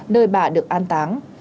nơi bà được an táng